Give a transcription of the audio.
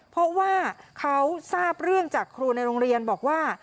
เพราะว่าเขาทราบเรื่องจากครูในโรงเรียนบอกว่า